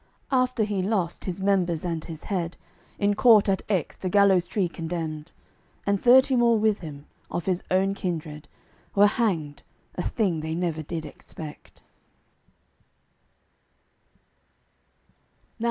After he lost his members and his head, In court, at Aix, to gallows tree condemned; And thirty more with him, of his kindred, Were hanged, a thing they never did expect.